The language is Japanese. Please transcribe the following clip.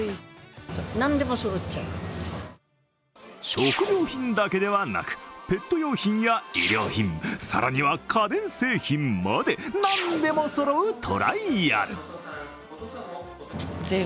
食料品だけではなくペット用品や衣料品、更には家電製品まで、何でもそろうトライアル。